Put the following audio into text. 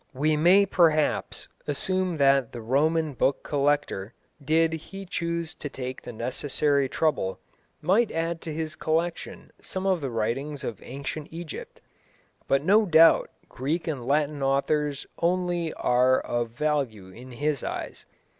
We may, perhaps, assume that the Roman book collector, did he choose to take the necessary trouble, might add to his collection some of the writings of ancient Egypt. But no doubt Greek and Latin authors only are of value in his eyes.